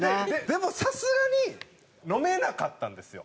でもさすがに飲めなかったんですよ。